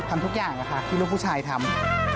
ทำทุกอย่างค่ะที่ลูกผู้ชายทำ